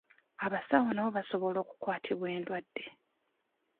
Abasawo nabo basobola okukwatibwa endwadde.